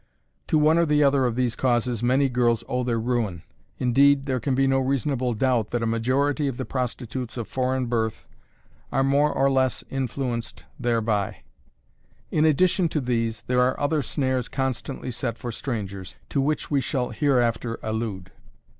To one or the other of these causes many girls owe their ruin. Indeed, there can be no reasonable doubt that a majority of the prostitutes of foreign birth are more or less influenced thereby. In addition to these, there are other snares constantly set for strangers, to which we shall hereafter allude.